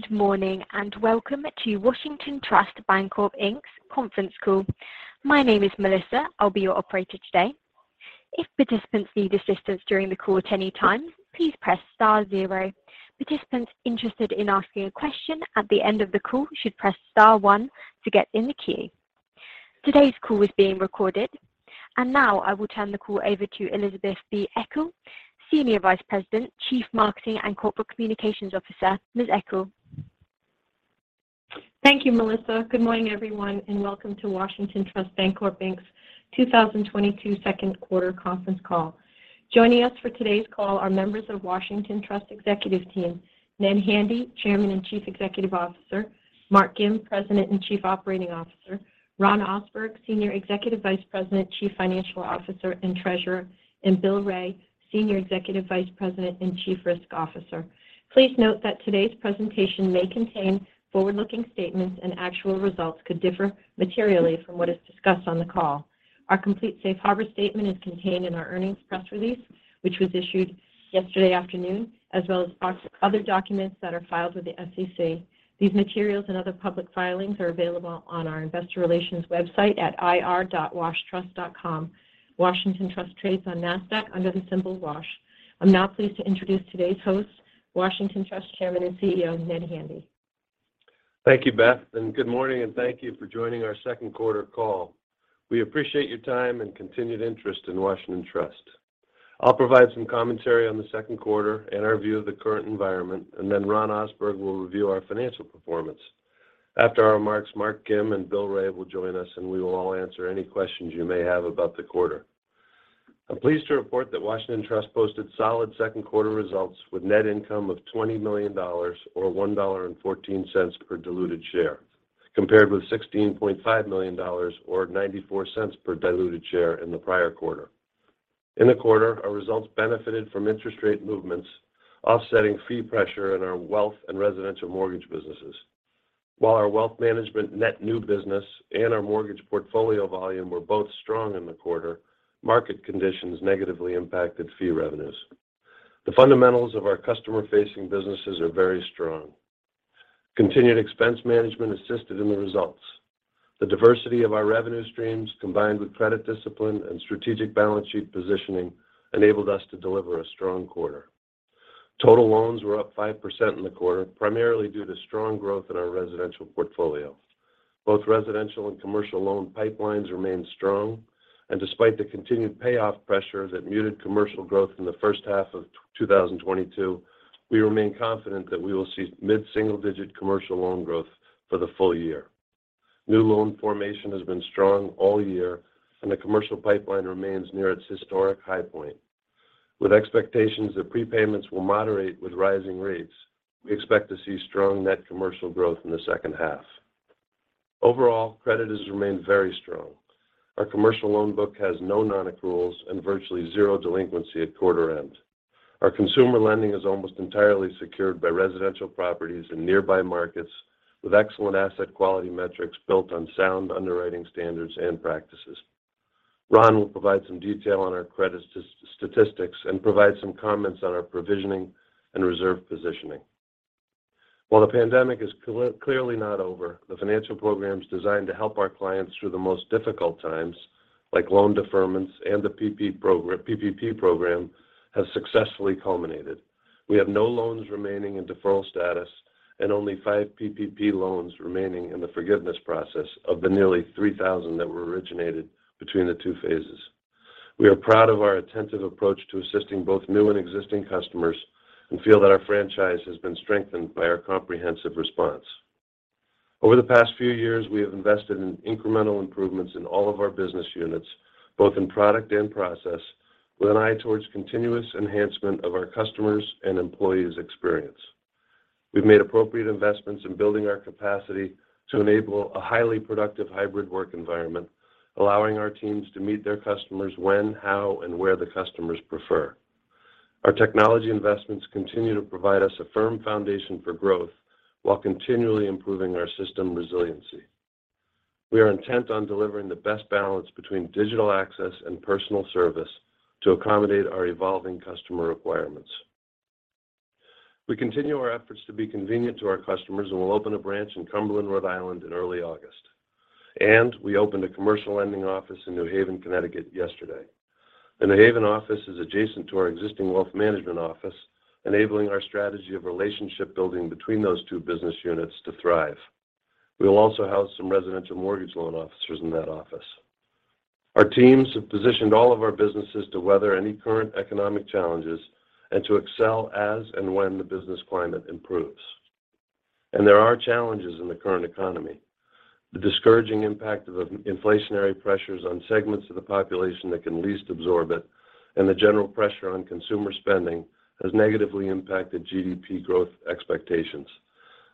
Good morning and welcome to Washington Trust Bancorp, Inc.'s conference call. My name is Melissa. I'll be your operator today. If participants need assistance during the call at any time, please press star zero. Participants interested in asking a question at the end of the call should press star one to get in the queue. Today's call is being recorded. Now I will turn the call over to Elizabeth B. Eckel, Executive Vice President, Chief Marketing & Corporate Communications Officer. Ms. Eckel. Thank you, Melissa. Good morning, everyone, and welcome to Washington Trust Bancorp, Inc.'s 2022 second quarter conference call. Joining us for today's call are members of Washington Trust executive team, Ned Handy, Chairman and Chief Executive Officer, Mark Gim, President and Chief Operating Officer, Ron Ohsberg, Senior Executive Vice President, Chief Financial Officer and Treasurer, and Bill Ray, Senior Executive Vice President and Chief Risk Officer. Please note that today's presentation may contain forward-looking statements, and actual results could differ materially from what is discussed on the call. Our complete safe harbor statement is contained in our earnings press release, which was issued yesterday afternoon, as well as other documents that are filed with the SEC. These materials and other public filings are available on our investor relations website at ir.washtrust.com. Washington Trust trades on NASDAQ under the symbol WASH. I'm now pleased to introduce today's host, Washington Trust Chairman and CEO, Ned Handy. Thank you, Beth, and good morning and thank you for joining our second quarter call. We appreciate your time and continued interest in Washington Trust. I'll provide some commentary on the second quarter and our view of the current environment, and then Ron Ohsberg will review our financial performance. After our remarks, Mark Gim and Bill Ray will join us, and we will all answer any questions you may have about the quarter. I'm pleased to report that Washington Trust posted solid second quarter results with net income of $20 million or $1.14 per diluted share, compared with $16 million or $0.94 per diluted share in the prior quarter. In the quarter, our results benefited from interest rate movements, offsetting fee pressure in our wealth and residential mortgage businesses. While our wealth management net new business and our mortgage portfolio volume were both strong in the quarter, market conditions negatively impacted fee revenues. The fundamentals of our customer-facing businesses are very strong. Continued expense management assisted in the results. The diversity of our revenue streams, combined with credit discipline and strategic balance sheet positioning, enabled us to deliver a strong quarter. Total loans were up 5% in the quarter, primarily due to strong growth in our residential portfolio. Both residential and commercial loan pipelines remain strong. Despite the continued payoff pressure that muted commercial growth in the first half of 2022, we remain confident that we will see mid-single-digit commercial loan growth for the full year. New loan formation has been strong all year, and the commercial pipeline remains near its historic high point. With expectations that prepayments will moderate with rising rates, we expect to see strong net commercial growth in the second half. Overall, credit has remained very strong. Our commercial loan book has no nonaccruals and virtually zero delinquency at quarter end. Our consumer lending is almost entirely secured by residential properties in nearby markets with excellent asset quality metrics built on sound underwriting standards and practices. Ron will provide some detail on our credit statistics and provide some comments on our provisioning and reserve positioning. While the pandemic is clearly not over, the financial programs designed to help our clients through the most difficult times, like loan deferments and the PPP program, have successfully culminated. We have no loans remaining in deferral status and only 5 PPP loans remaining in the forgiveness process of the nearly 3,000 that were originated between the two phases. We are proud of our attentive approach to assisting both new and existing customers and feel that our franchise has been strengthened by our comprehensive response. Over the past few years, we have invested in incremental improvements in all of our business units, both in product and process, with an eye towards continuous enhancement of our customers' and employees' experience. We've made appropriate investments in building our capacity to enable a highly productive hybrid work environment, allowing our teams to meet their customers when, how, and where the customers prefer. Our technology investments continue to provide us a firm foundation for growth while continually improving our system resiliency. We are intent on delivering the best balance between digital access and personal service to accommodate our evolving customer requirements. We continue our efforts to be convenient to our customers and will open a branch in Cumberland, Rhode Island in early August. We opened a commercial lending office in New Haven, Connecticut yesterday. The New Haven office is adjacent to our existing wealth management office, enabling our strategy of relationship building between those two business units to thrive. We will also house some residential mortgage loan officers in that office. Our teams have positioned all of our businesses to weather any current economic challenges and to excel as and when the business climate improves. There are challenges in the current economy. The discouraging impact of inflationary pressures on segments of the population that can least absorb it and the general pressure on consumer spending has negatively impacted GDP growth expectations.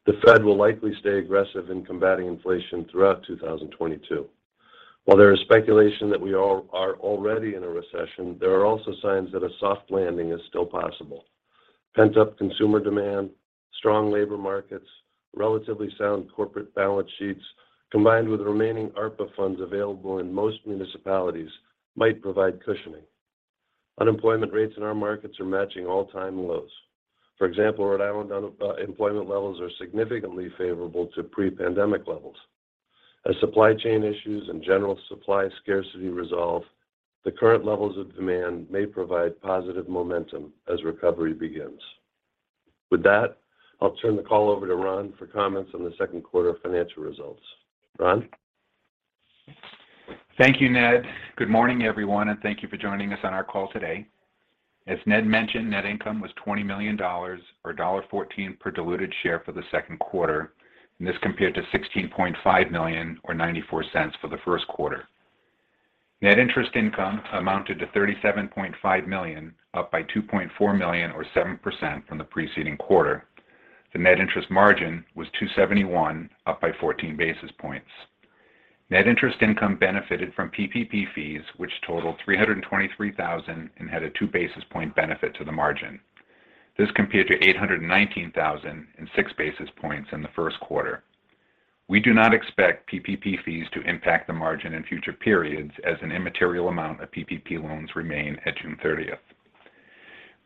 The Fed will likely stay aggressive in combating inflation throughout 2022. While there is speculation that we all are already in a recession, there are also signs that a soft landing is still possible. Pent-up consumer demand, strong labor markets, relatively sound corporate balance sheets, combined with remaining ARPA funds available in most municipalities might provide cushioning. Unemployment rates in our markets are matching all-time lows. For example, Rhode Island unemployment levels are significantly favorable to pre-pandemic levels. As supply chain issues and general supply scarcity resolve, the current levels of demand may provide positive momentum as recovery begins. With that, I'll turn the call over to Ron for comments on the second quarter financial results. Ron? Thank you, Ned. Good morning, everyone, and thank you for joining us on our call today. As Ned mentioned, net income was $20 million or $1.14 per diluted share for the second quarter, and this compared to $16.5 million or $0.94 for the first quarter. Net interest income amounted to $37.5 million, up by $2.4 million or 7% from the preceding quarter. The net interest margin was 2.71, up by 14 basis points. Net interest income benefited from PPP fees, which totaled $323,000 and had a 2 basis point benefit to the margin. This compared to $819,000 and 6 basis points in the first quarter. We do not expect PPP fees to impact the margin in future periods as an immaterial amount of PPP loans remain at June thirtieth.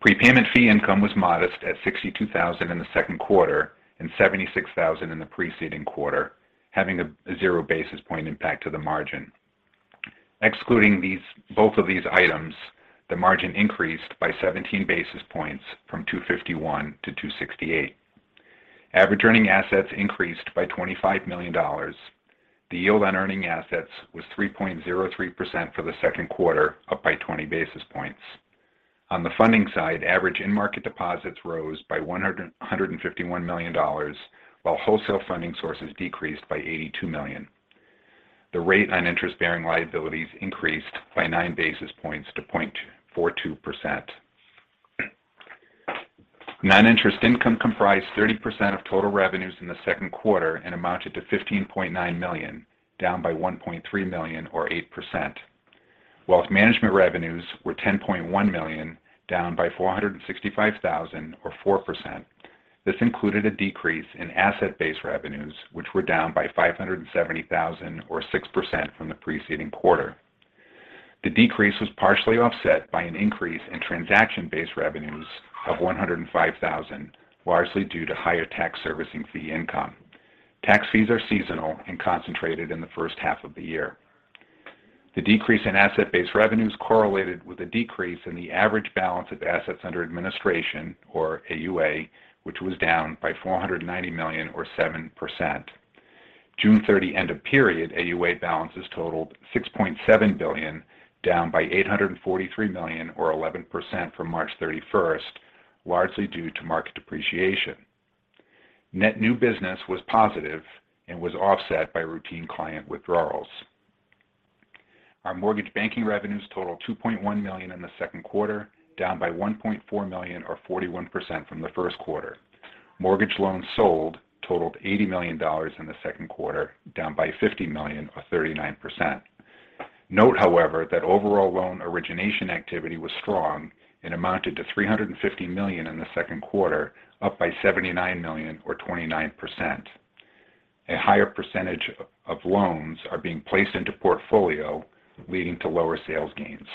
Prepayment fee income was modest at $62,000 in the second quarter and $76,000 in the preceding quarter, having a 0 basis point impact to the margin. Excluding these, both of these items, the margin increased by 17 basis points from 251 to 268. Average earning assets increased by $25 million. The yield on earning assets was 3.03% for the second quarter, up by 20 basis points. On the funding side, average in-market deposits rose by $151 million, while wholesale funding sources decreased by $82 million. The rate on interest-bearing liabilities increased by 9 basis points to 0.42%. Non-interest income comprised 30% of total revenues in the second quarter and amounted to $15.9 million, down by $1.3 million or 8%. Wealth management revenues were $10.1 million, down by $465,000 or 4%. This included a decrease in asset-based revenues, which were down by $570,000 or 6% from the preceding quarter. The decrease was partially offset by an increase in transaction-based revenues of $105,000, largely due to higher tax servicing fee income. Tax fees are seasonal and concentrated in the first half of the year. The decrease in asset-based revenues correlated with a decrease in the average balance of assets under administration or AUA, which was down by $490 million or 7%. June 30 end-of-period AUA balances totaled $6.7 billion, down by $843 million or 11% from March 31, largely due to market depreciation. Net new business was positive and was offset by routine client withdrawals. Our mortgage banking revenues totaled $2.1 million in the second quarter, down by $1.4 million or 41% from the first quarter. Mortgage loans sold totaled $80 million in the second quarter, down by $50 million or 39%. Note, however, that overall loan origination activity was strong and amounted to $350 million in the second quarter, up by $79 million or 29%. A higher percentage of loans are being placed into portfolio, leading to lower sales gains.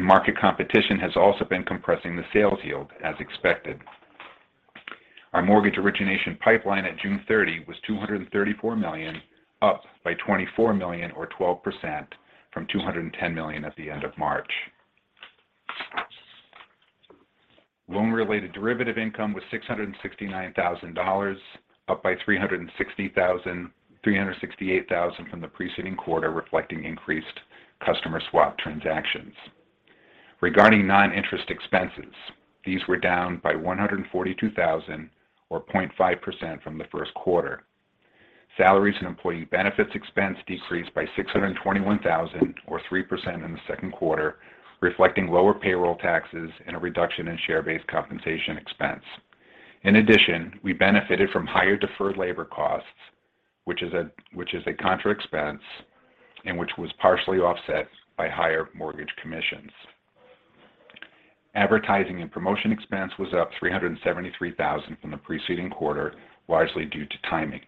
Market competition has also been compressing the sales yield as expected. Our mortgage origination pipeline at June 30 was $234 million, up by $24 million or 12% from $210 million at the end of March. Loan-related derivative income was $669,000, up by $368,000 from the preceding quarter, reflecting increased customer swap transactions. Regarding non-interest expenses, these were down by $142,000 or 0.5% from the first quarter. Salaries and employee benefits expense decreased by $621,000 or 3% in the second quarter, reflecting lower payroll taxes and a reduction in share-based compensation expense. In addition, we benefited from higher deferred labor costs, which is a contra expense and which was partially offset by higher mortgage commissions. Advertising and promotion expense was up $373,000 from the preceding quarter, largely due to timing.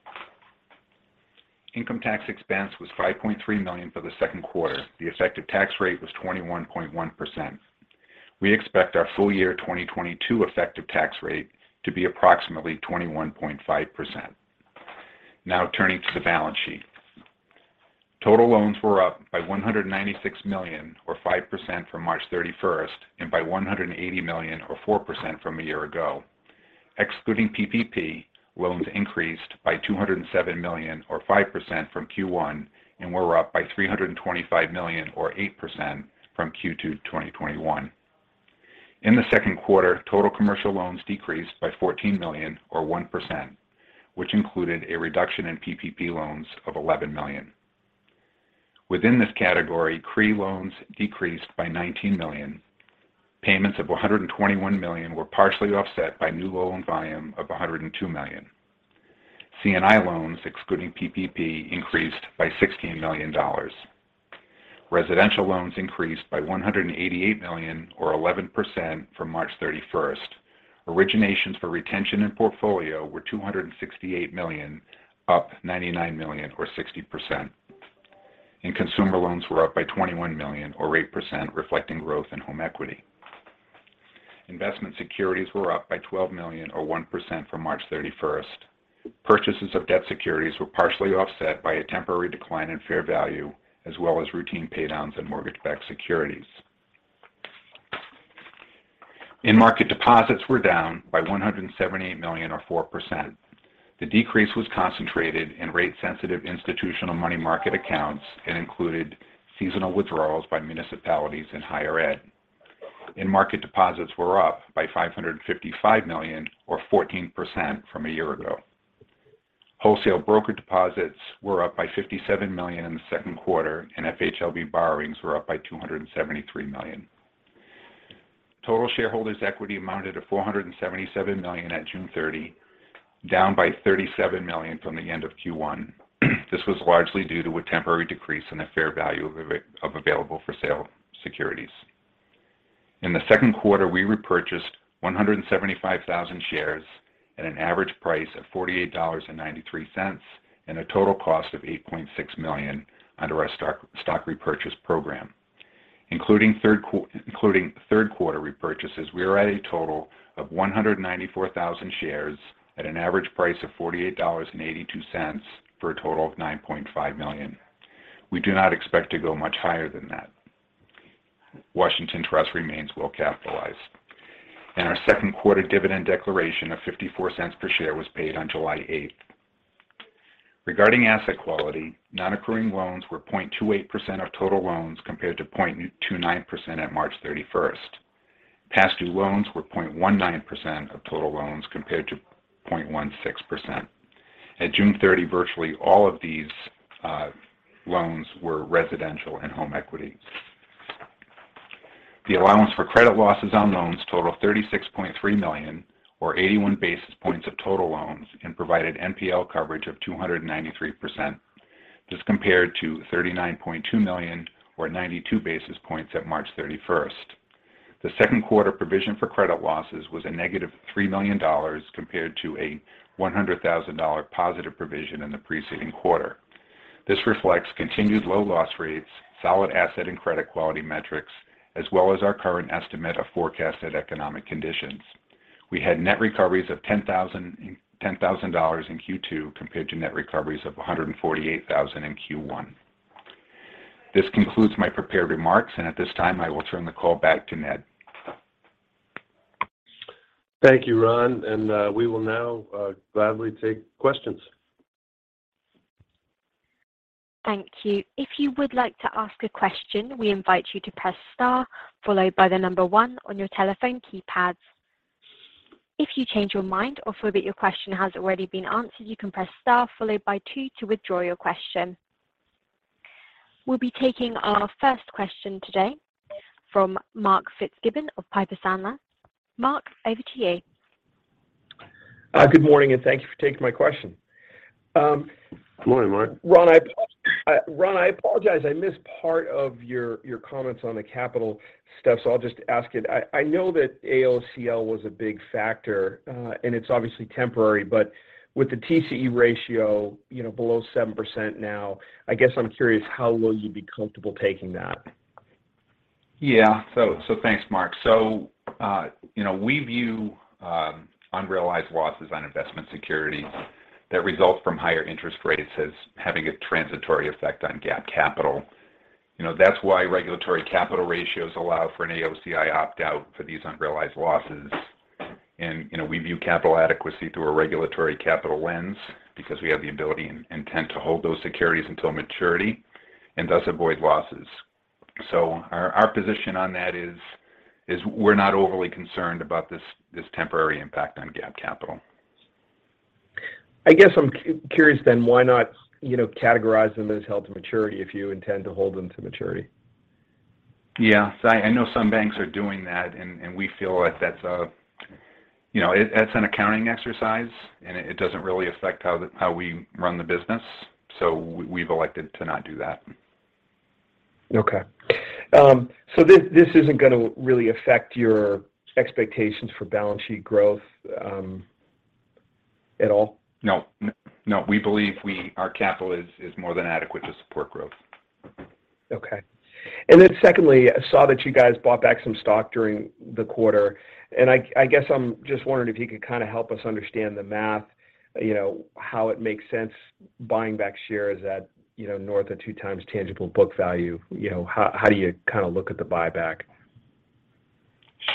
Income tax expense was $5.3 million for the second quarter. The effective tax rate was 21.1%. We expect our full-year 2022 effective tax rate to be approximately 21.5%. Now, turning to the balance sheet. Total loans were up by $196 million or 5% from March 31 and by $180 million or 4% from a year ago. Excluding PPP, loans increased by $207 million or 5% from Q1 and were up by $325 million or 8% from Q2 2021. In the second quarter, total commercial loans decreased by $14 million or 1%, which included a reduction in PPP loans of $11 million. Within this category, CRE loans decreased by $19 million. Payments of $121 million were partially offset by new loan volume of $102 million. C&I loans, excluding PPP, increased by $16 million. Residential loans increased by $188 million or 11% from March 31st. Originations for retention and portfolio were $268 million, up $99 million or 60%. Consumer loans were up by $21 million or 8%, reflecting growth in home equity. Investment securities were up by $12 million or 1% from March 31st. Purchases of debt securities were partially offset by a temporary decline in fair value, as well as routine pay downs in mortgage-backed securities. In-market deposits were down by $178 million or 4%. The decrease was concentrated in rate sensitive institutional money market accounts and included seasonal withdrawals by municipalities in higher ed. In-market deposits were up by $555 million or 14% from a year ago. Wholesale broker deposits were up by $57 million in the second quarter, and FHLB borrowings were up by $273 million. Total shareholders equity amounted to $477 million at June 30, down by $37 million from the end of Q1. This was largely due to a temporary decrease in the fair value of available for sale securities. In the second quarter, we repurchased 175,000 shares at an average price of $48.93, and a total cost of $8.6 million under our stock repurchase program. Including third quarter repurchases, we are at a total of 194,000 shares at an average price of $48.82 for a total of $9.5 million. We do not expect to go much higher than that. Washington Trust remains well capitalized. Our second quarter dividend declaration of $0.54 per share was paid on July 8. Regarding asset quality, non-accruing loans were 0.28% of total loans compared to 0.29% at March 31. Past due loans were 0.19% of total loans compared to 0.16%. At June 30, virtually all of these loans were residential and home equity. The allowance for credit losses on loans totaled $36.3 million or 81 basis points of total loans and provided NPL coverage of 293%. This compared to $39.2 million or 92 basis points at March 31. The second quarter provision for credit losses was -$3 million compared to a $100,000 positive provision in the preceding quarter. This reflects continued low loss rates, solid asset and credit quality metrics, as well as our current estimate of forecasted economic conditions. We had net recoveries of $10,000 in Q2 compared to net recoveries of $148,000 in Q1. This concludes my prepared remarks, and at this time, I will turn the call back to Ned. Thank you, Ron, and we will now gladly take questions. Thank you. If you would like to ask a question, we invite you to press star followed by the number one on your telephone keypads. If you change your mind or feel that your question has already been answered, you can press star followed by two to withdraw your question. We'll be taking our first question today from Mark Fitzgibbon of Piper Sandler. Mark, over to you. Good morning, and thank you for taking my question. Good morning, Mark. Ron, I apologize. I missed part of your comments on the capital stuff, so I'll just ask it. I know that AOCI was a big factor, and it's obviously temporary. With the TCE ratio, you know, below 7% now, I guess I'm curious how will you be comfortable taking that? Thanks, Mark. You know, we view unrealized losses on investment securities that result from higher interest rates as having a transitory effect on GAAP capital. You know, that's why regulatory capital ratios allow for an AOCI opt out for these unrealized losses. You know, we view capital adequacy through a regulatory capital lens because we have the ability and intent to hold those securities until maturity and thus avoid losses. Our position on that is we're not overly concerned about this temporary impact on GAAP capital. I guess I'm curious then, why not, you know, categorize them as held to maturity if you intend to hold them to maturity? Yeah. I know some banks are doing that, and we feel like that's a, you know, it's an accounting exercise, and it doesn't really affect how we run the business. We've elected to not do that. Okay. This isn't gonna really affect your expectations for balance sheet growth at all? No. We believe our capital is more than adequate to support growth. Okay. I saw that you guys bought back some stock during the quarter. I guess I'm just wondering if you could kind of help us understand the math, you know, how it makes sense buying back shares at, you know, north of 2x tangible book value. You know, how do you kind of look at the buyback?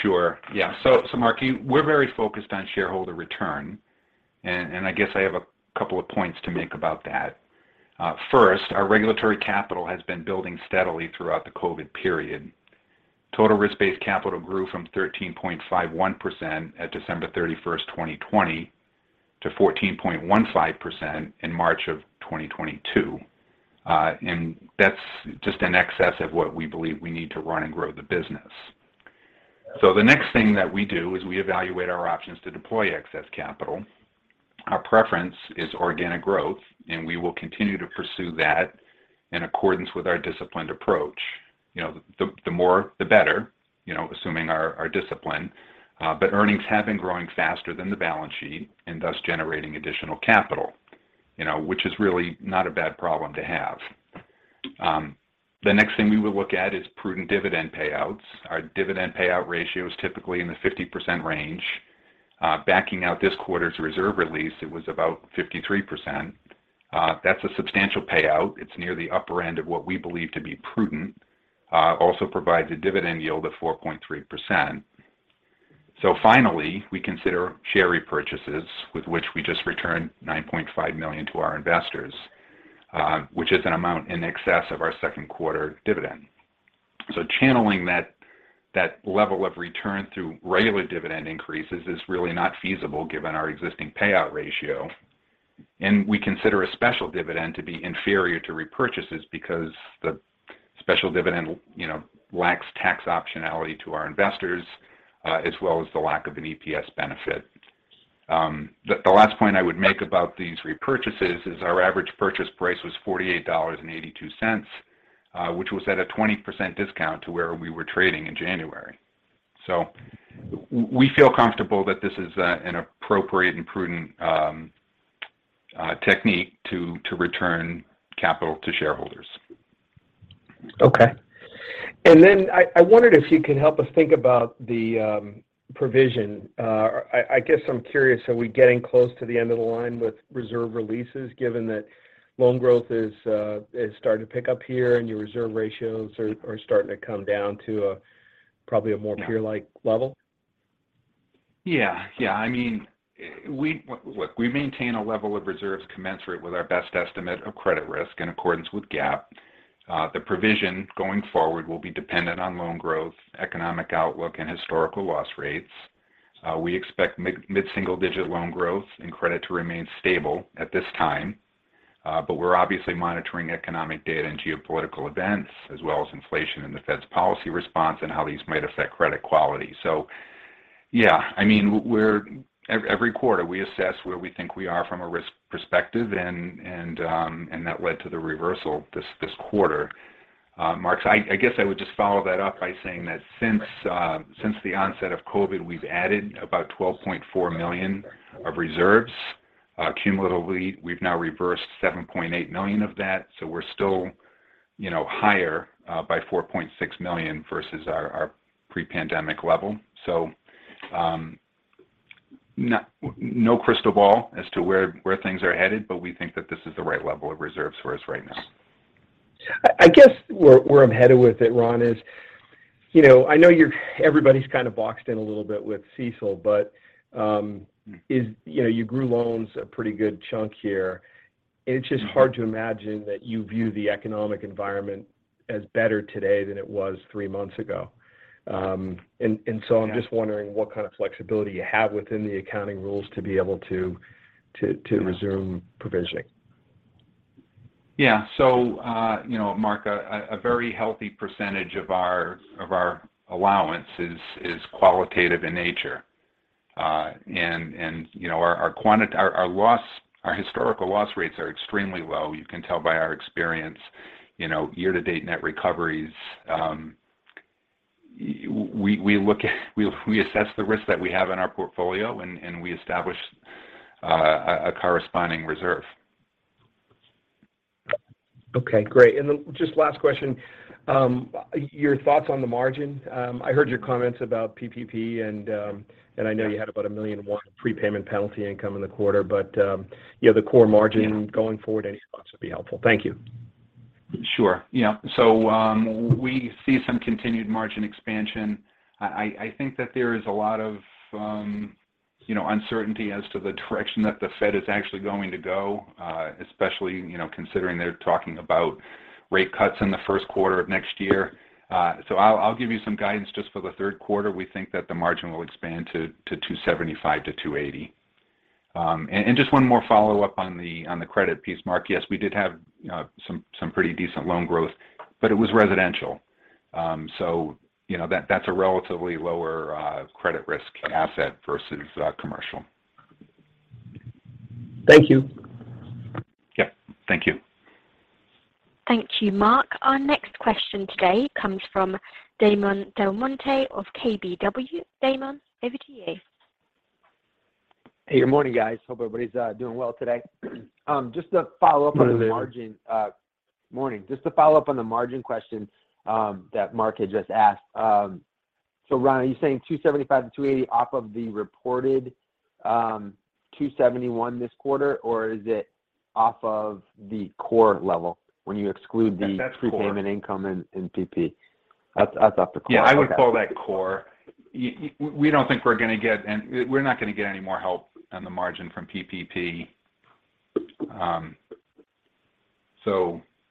Sure. Yeah. Mark, you, we're very focused on shareholder return. I guess I have a couple of points to make about that. First, our regulatory capital has been building steadily throughout the COVID period. Total risk-based capital grew from 13.51% at December 31st, 2020 to 14.15% in March 2022. That's just in excess of what we believe we need to run and grow the business. The next thing that we do is we evaluate our options to deploy excess capital. Our preference is organic growth, and we will continue to pursue that in accordance with our disciplined approach. You know, the more, the better, you know, assuming our discipline. Earnings have been growing faster than the balance sheet and thus generating additional capital, you know, which is really not a bad problem to have. The next thing we will look at is prudent dividend payouts. Our dividend payout ratio is typically in the 50% range. Backing out this quarter's reserve release, it was about 53%. That's a substantial payout. It's near the upper end of what we believe to be prudent. Also provides a dividend yield of 4.3%. Finally, we consider share repurchases with which we just returned $9.5 million to our investors, which is an amount in excess of our second quarter dividend. Channeling that level of return through regular dividend increases is really not feasible given our existing payout ratio. We consider a special dividend to be inferior to repurchases because the special dividend, you know, lacks tax optionality to our investors, as well as the lack of an EPS benefit. The last point I would make about these repurchases is our average purchase price was $48.82, which was at a 20% discount to where we were trading in January. We feel comfortable that this is an appropriate and prudent technique to return capital to shareholders. Okay. I wondered if you could help us think about the provision. I guess I'm curious, are we getting close to the end of the line with reserve releases given that loan growth is starting to pick up here and your reserve ratios are starting to come down to a probably more- No peer-like level? I mean, Look, we maintain a level of reserves commensurate with our best estimate of credit risk in accordance with GAAP. The provision going forward will be dependent on loan growth, economic outlook, and historical loss rates. We expect mid-single digit loan growth and credit to remain stable at this time. We're obviously monitoring economic data and geopolitical events as well as inflation and the Fed's policy response and how these might affect credit quality. I mean, every quarter, we assess where we think we are from a risk perspective and that led to the reversal this quarter, Mark. I guess I would just follow that up by saying that since the onset of COVID, we've added about $12.4 million of reserves. Cumulatively, we've now reversed $7.8 million of that, so we're still, you know, higher by $4.6 million versus our pre-pandemic level. No crystal ball as to where things are headed, but we think that this is the right level of reserves for us right now. I guess where I'm headed with it, Ron, is, you know, I know you're everybody's kind of boxed in a little bit with CECL, but you know, you grew loans a pretty good chunk here, and it's just hard to imagine that you view the economic environment as better today than it was three months ago. Yeah I'm just wondering what kind of flexibility you have within the accounting rules to be able to resume provisioning? Yeah, you know, Mark, a very healthy percentage of our allowance is qualitative in nature. You know, our historical loss rates are extremely low. You can tell by our experience, you know, year to date net recoveries. We assess the risk that we have in our portfolio and we establish a corresponding reserve. Okay, great. Just last question, your thoughts on the margin. I heard your comments about PPP and I know you had about $1 million in prepayment penalty income in the quarter. You know, the core margin. Yeah Going forward, any thoughts would be helpful. Thank you. Sure. Yeah. We see some continued margin expansion. I think that there is a lot of, you know, uncertainty as to the direction that the Fed is actually going to go, especially, you know, considering they're talking about rate cuts in the first quarter of next year. I'll give you some guidance just for the third quarter. We think that the margin will expand to 2.75%-2.80%. Just one more follow-up on the credit piece, Mark. Yes, we did have some pretty decent loan growth, but it was residential. You know, that's a relatively lower credit risk asset versus commercial. Thank you. Yeah. Thank you. Thank you, Mark. Our next question today comes from Damon DelMonte of KBW. Damon, over to you. Hey, good morning, guys. Hope everybody's doing well today. Just to follow up on the margin. Good evening. Morning. Just to follow up on the margin question that Mark had just asked. Ron, are you saying 2.75%-2.80% off of the reported 2.71% this quarter, or is it off of the core level when you exclude the- That's core. prepayment income in PP? That's off the core. Okay. Yeah, I would call that core. We don't think and we're not gonna get any more help on the margin from PPP.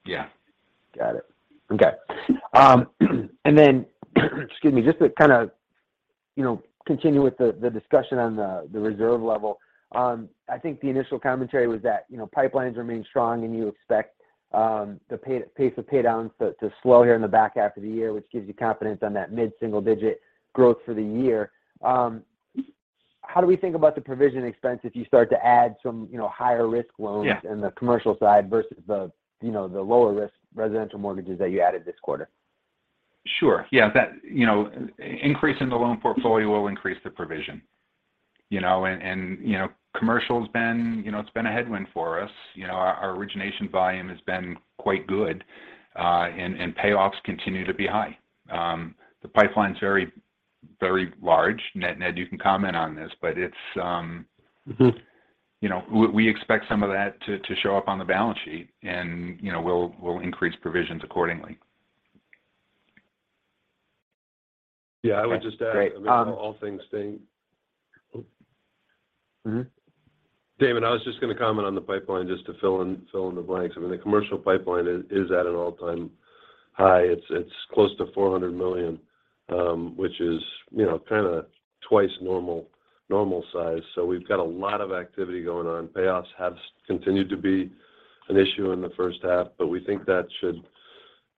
Yeah. Got it. Okay. Excuse me, just to kind of, you know, continue with the discussion on the reserve level. I think the initial commentary was that, you know, pipelines remain strong and you expect the pace of pay downs to slow here in the back half of the year, which gives you confidence on that mid-single digit growth for the year. How do we think about the provision expense if you start to add some, you know, higher risk loans? Yeah ...in the commercial side versus the, you know, the lower risk residential mortgages that you added this quarter? Sure. Yeah. That, you know, increase in the loan portfolio will increase the provision. You know, commercial's been, you know, it's been a headwind for us. You know, our origination volume has been quite good, and payoffs continue to be high. The pipeline's very large. Ned, you can comment on this, but it's- You know, we expect some of that to show up on the balance sheet, and you know, we'll increase provisions accordingly. Yeah. I would just add. Great. I mean, all things being. Damon, I was just gonna comment on the pipeline just to fill in the blanks. I mean, the commercial pipeline is at an all-time high. It's close to $400 million, which is, you know, kind of twice normal size. So we've got a lot of activity going on. Payoffs have continued to be an issue in the first half, but we think that should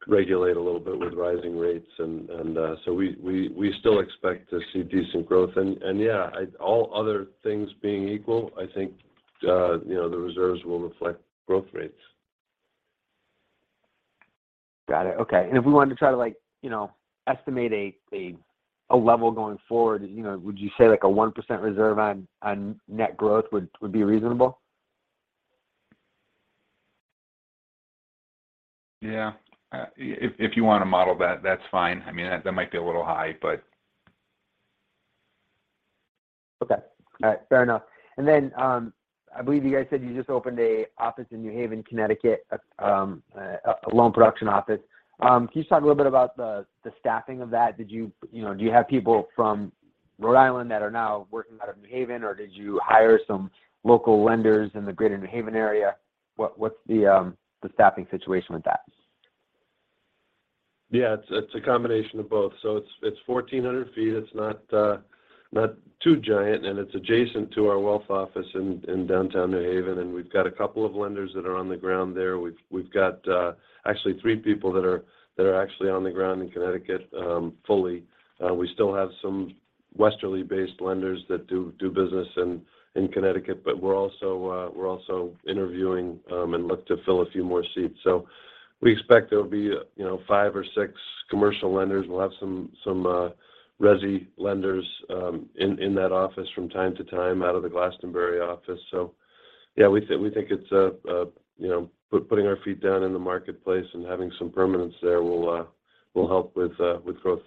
regulate a little bit with rising rates, so we still expect to see decent growth and yeah, all other things being equal, I think the reserves will reflect growth rates. Got it. Okay. If we wanted to try to like, you know, estimate a level going forward, you know, would you say like a 1% reserve on net growth would be reasonable? Yeah. If you wanna model that's fine. I mean, that might be a little high, but. Okay. All right. Fair enough. Then, I believe you guys said you just opened an office in New Haven, Connecticut, a loan production office. Can you just talk a little bit about the staffing of that? Did you know, do you have people from Rhode Island that are now working out of New Haven, or did you hire some local lenders in the greater New Haven area? What's the staffing situation with that? Yeah. It's a combination of both. It's 1,400 feet. It's not too giant, and it's adjacent to our wealth office in downtown New Haven, and we've got a couple of lenders that are on the ground there. We've got actually three people that are actually on the ground in Connecticut fully. We still have some Westerly-based lenders that do business in Connecticut, but we're also interviewing and look to fill a few more seats. We expect there'll be, you know, 5 or 6 commercial lenders. We'll have some resi lenders in that office from time to time out of the Glastonbury office. Yeah, we think it's a, you know, putting our feet down in the marketplace and having some permanence there will help with growth.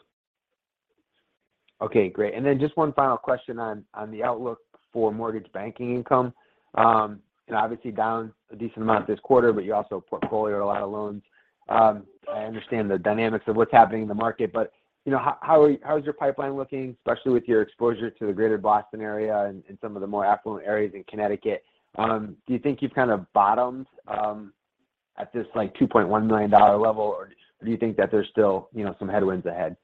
Okay. Great. Just one final question on the outlook for mortgage banking income. You know, obviously down a decent amount this quarter, but you also portfolio a lot of loans. I understand the dynamics of what's happening in the market, but, you know, how is your pipeline looking, especially with your exposure to the Greater Boston area and some of the more affluent areas in Connecticut? Do you think you've kind of bottomed at this like $2.1 million level, or do you think that there's still, you know, some headwinds ahead?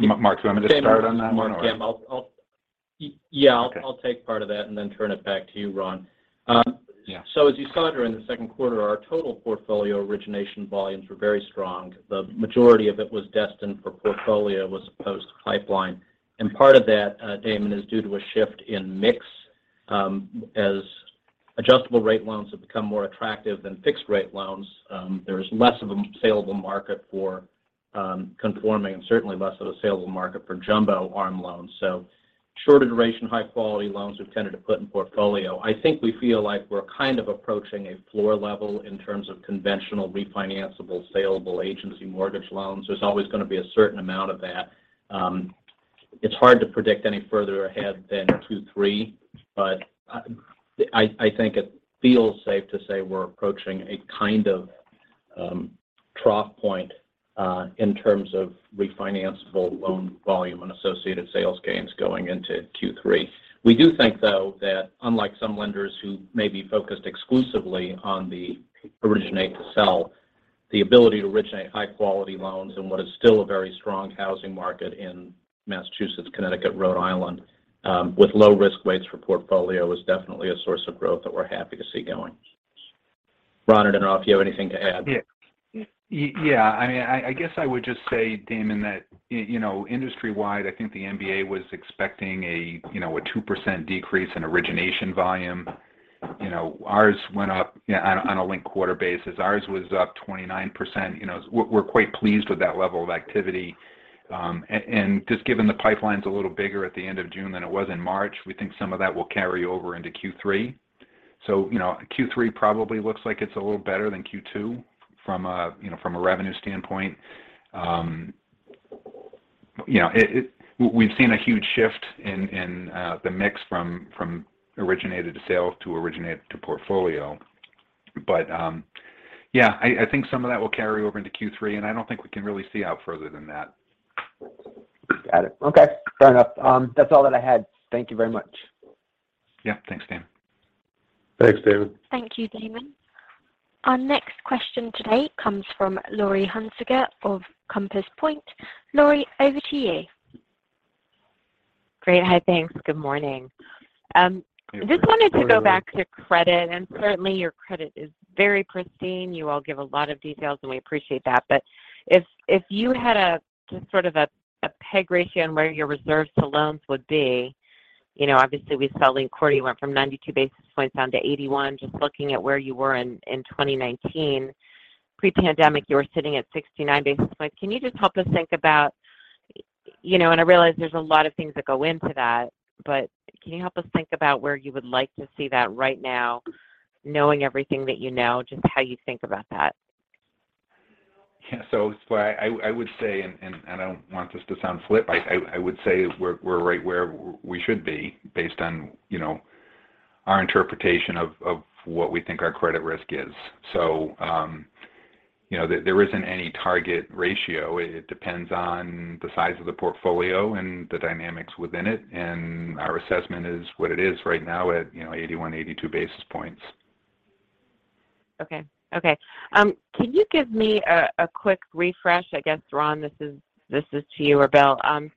Mark, do you want me to start on that one or? Damon, Cam, I'll. Yeah. Okay. I'll take part of that and then turn it back to you, Ron. Yeah. As you saw during the second quarter, our total portfolio origination volumes were very strong. The majority of it was destined for portfolio as opposed to pipeline. Part of that, Damon, is due to a shift in mix. As adjustable rate loans have become more attractive than fixed rate loans, there's less of a saleable market for conforming and certainly less of a saleable market for jumbo ARM loans. Short duration, high quality loans we've tended to put in portfolio. I think we feel like we're kind of approaching a floor level in terms of conventional refinanceable saleable agency mortgage loans. There's always gonna be a certain amount of that. It's hard to predict any further ahead than two, three, but I think it feels safe to say we're approaching a kind of trough point in terms of refinanceable loan volume and associated sales gains going into Q3. We do think, though, that unlike some lenders who may be focused exclusively on the originate to sell, the ability to originate high quality loans in what is still a very strong housing market in Massachusetts, Connecticut, Rhode Island, with low risk weights for portfolio is definitely a source of growth that we're happy to see going. Ron, I don't know if you have anything to add. Yeah. I mean, I guess I would just say, Damon, that, you know, industry-wide, I think the MBA was expecting, you know, a 2% decrease in origination volume. You know, ours went up, you know, on a linked quarter basis. Ours was up 29%. You know, we're quite pleased with that level of activity. Just given the pipeline's a little bigger at the end of June than it was in March, we think some of that will carry over into Q3. You know, Q3 probably looks like it's a little better than Q2 from a, you know, revenue standpoint. You know, we've seen a huge shift in the mix from originated for sale to originated for portfolio. Yeah, I think some of that will carry over into Q3, and I don't think we can really see out further than that. Got it. Okay. Fair enough. That's all that I had. Thank you very much. Yeah. Thanks, Damon. Thanks, Damon. Thank you, Damon. Our next question today comes from Laurie Hunsicker of Compass Point. Laurie, over to you. Great. Hi, thanks. Good morning. Good morning. Just wanted to go back to credit, and certainly your credit is very pristine. You all give a lot of details, and we appreciate that. If you had a just sort of a peg ratio on where your reserves to loans would be, you know, obviously we saw linked quarter you went from 92 basis points down to 81. Just looking at where you were in 2019, pre-pandemic you were sitting at 69 basis points. Can you just help us think about, you know, and I realize there's a lot of things that go into that, but can you help us think about where you would like to see that right now, knowing everything that you know, just how you think about that? Yeah. I would say, and I don't want this to sound flip, I would say we're right where we should be based on, you know, our interpretation of what we think our credit risk is. You know, there isn't any target ratio. It depends on the size of the portfolio and the dynamics within it, and our assessment is what it is right now at, you know, 81-82 basis points. Okay. Can you give me a quick refresh, I guess, Ron Ohsberg, this is to you or Bill Ray,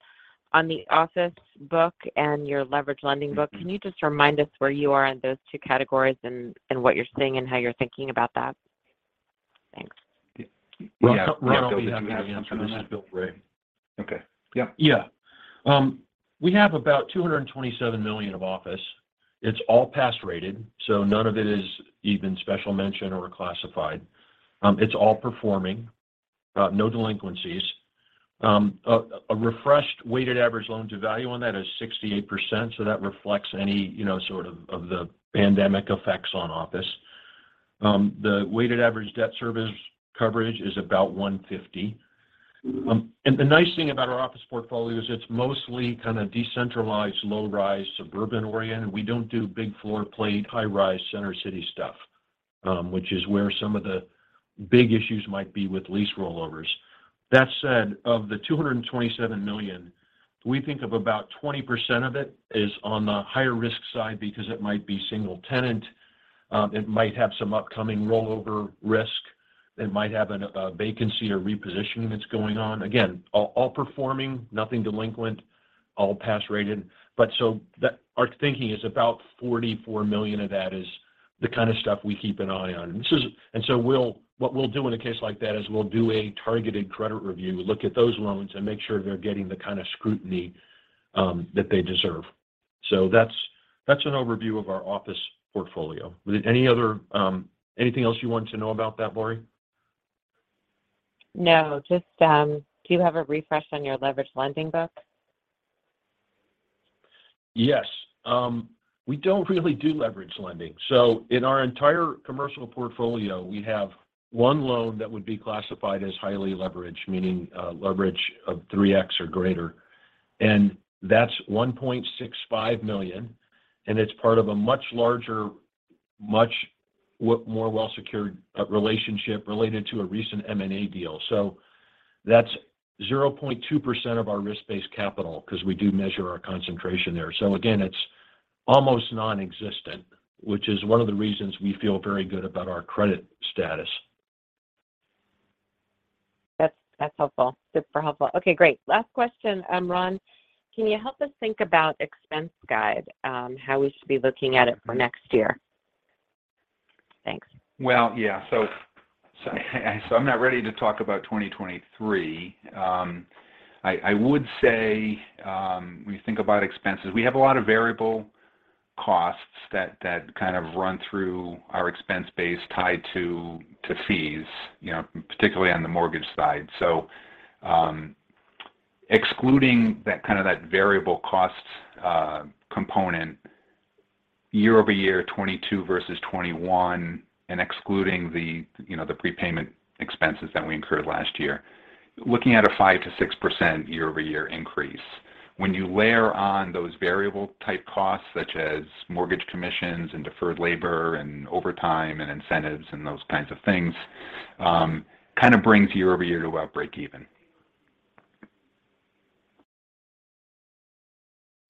on the office book and your leverage lending book. Can you just remind us where you are in those two categories and what you're seeing and how you're thinking about that? Thanks. Yeah. Bill, did you have something on that? Ron, may I please answer on that? This is Bill Ray. Okay. Yeah. Yeah. We have about $227 million of office. It's all pass rated, so none of it is even special mention or classified. It's all performing, no delinquencies. A refreshed weighted average loan to value on that is 68%, so that reflects any, you know, sort of the pandemic effects on office. The weighted average debt service coverage is about 1.50. The nice thing about our office portfolio is it's mostly kind of decentralized, low-rise, suburban oriented. We don't do big floor plate, high-rise, center city stuff, which is where some of the big issues might be with lease rollovers. That said, of the $227 million, we think about 20% of it is on the higher risk side because it might be single tenant, it might have some upcoming rollover risk, it might have a vacancy or repositioning that's going on. Again, all performing, nothing delinquent, all pass rated. Our thinking is about $44 million of that is the kind of stuff we keep an eye on. What we'll do in a case like that is we'll do a targeted credit review, look at those loans, and make sure they're getting the kind of scrutiny that they deserve. That's an overview of our office portfolio. Was there anything else you wanted to know about that, Laurie? No, just, do you have a refresh on your leverage lending book? Yes. We don't really do leveraged lending. In our entire commercial portfolio, we have one loan that would be classified as highly leveraged, meaning a leverage of 3x or greater. That's $1.65 million, and it's part of a much larger, much more well-secured relationship related to a recent M&A deal. That's 0.2% of our risk-based capital because we do measure our concentration there. Again, it's almost nonexistent, which is one of the reasons we feel very good about our credit status. That's helpful. Super helpful. Okay, great. Last question, Ron. Can you help us think about expense guide, how we should be looking at it for next year? Thanks. I'm not ready to talk about 2023. I would say, when you think about expenses, we have a lot of variable costs that kind of run through our expense base tied to fees, you know, particularly on the mortgage side. Excluding that kind of variable cost component year-over-year 2022 versus 2021 and excluding the, you know, the prepayment expenses that we incurred last year, looking at a 5%-6% year-over-year increase. When you layer on those variable type costs such as mortgage commissions and deferred labor and overtime and incentives and those kinds of things, kind of brings year-over-year to about break even.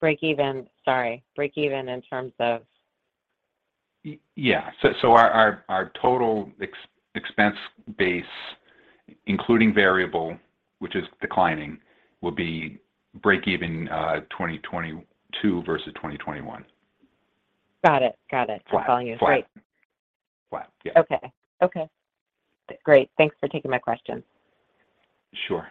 Sorry. Break even in terms of? Yeah. Our total expense base, including variable, which is declining, will be break even, 2022 versus 2021. Got it. Flat. I'm following you. Great. Flat. Yeah. Okay. Great. Thanks for taking my questions. Sure.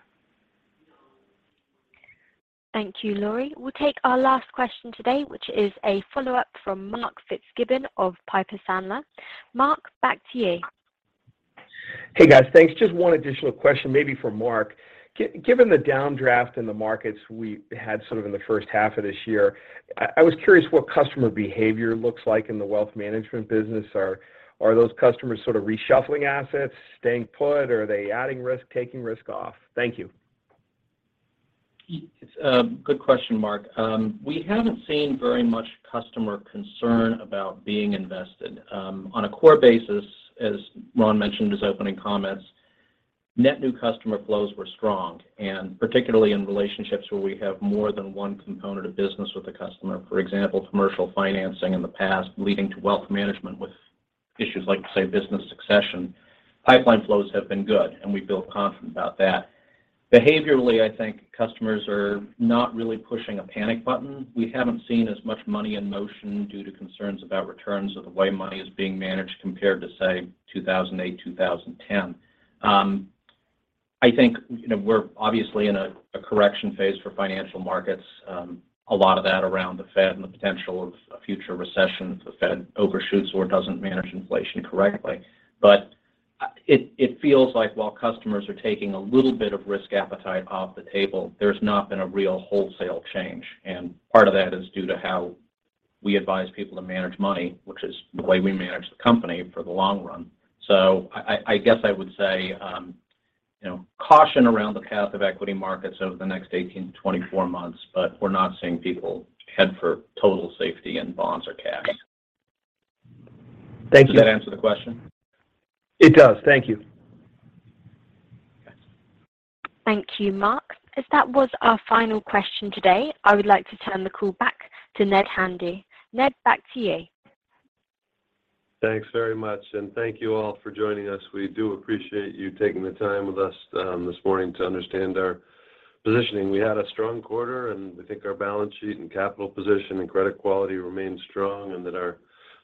Thank you, Laurie. We'll take our last question today, which is a follow-up from Mark Fitzgibbon of Piper Sandler. Mark, back to you. Hey, guys. Thanks. Just one additional question, maybe for Mark. Given the downdraft in the markets we had sort of in the first half of this year, I was curious what customer behavior looks like in the wealth management business. Are those customers sort of reshuffling assets, staying put, or are they adding risk, taking risk off? Thank you. It's a good question, Mark. We haven't seen very much customer concern about being invested. On a core basis, as Ron mentioned his opening comments, net new customer flows were strong, and particularly in relationships where we have more than one component of business with a customer. For example, commercial financing in the past leading to wealth management with Issues like, say, business succession. Pipeline flows have been good, and we feel confident about that. Behaviorally, I think customers are not really pushing a panic button. We haven't seen as much money in motion due to concerns about returns or the way money is being managed compared to, say, 2008, 2010. I think, you know, we're obviously in a correction phase for financial markets, a lot of that around the Fed and the potential of a future recession if the Fed overshoots or doesn't manage inflation correctly. It feels like while customers are taking a little bit of risk appetite off the table, there's not been a real wholesale change, and part of that is due to how we advise people to manage money, which is the way we manage the company for the long run. I guess I would say, you know, caution around the path of equity markets over the next 18-24 months, but we're not seeing people head for total safety in bonds or cash. Thank you. Does that answer the question? It does. Thank you. Okay. Thank you, Mark. As that was our final question today, I would like to turn the call back to Ned Handy. Ned, back to you. Thanks very much, and thank you all for joining us. We do appreciate you taking the time with us this morning to understand our positioning. We had a strong quarter, and we think our balance sheet and capital position and credit quality remain strong and that our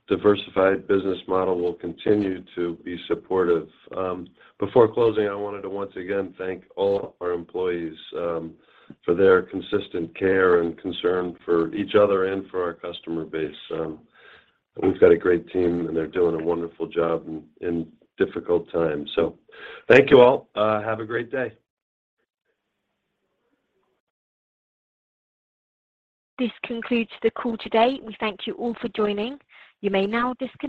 diversified business model will continue to be supportive. Before closing, I wanted to once again thank all our employees for their consistent care and concern for each other and for our customer base. We've got a great team, and they're doing a wonderful job in difficult times. Thank you all. Have a great day. This concludes the call today. We thank you all for joining. You may now disconnect.